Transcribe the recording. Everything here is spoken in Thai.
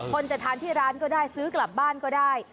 คนจะทานที่ร้านก็ได้ซื้อกลับบ้านก็ได้